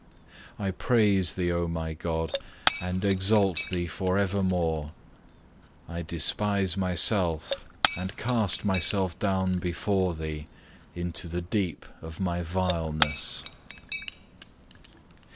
I praise Thee, O my God, and exalt Thee for evermore. I despise myself, and cast myself down before Thee into the deep of my vileness.